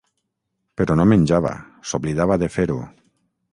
Però no menjava; s'oblidava de fer-ho.